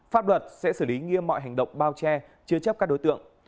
pháp luật sẽ xử lý nghiêm mọi hành động bao che chứa chấp các đối tượng